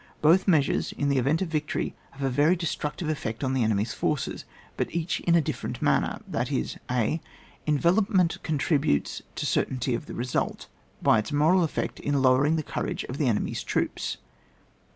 Both measures, in the event of victory, have a very de structive effect on the enemy's forces, but each in a different manner, that is, a. Envelopment contributes to the cer tainty of the result, by its moral effect in lowering the courage of the enemy's troops.